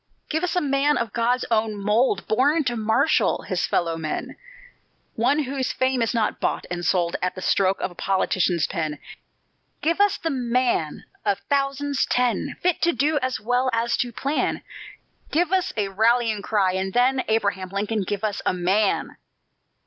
"Give us a man of God's own mould, Born to marshal his fellow men; One whose fame is not bought and sold At the stroke of a politician's pen; Give us the man of thousands ten, Fit to do as well as to plan; Give us a rallying cry, and then, Abraham Lincoln, give us a MAN!